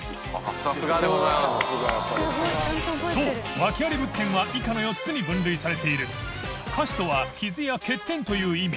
ワケあり物件は以下の４つに分類されている窶赱咾箸傷や欠点という意味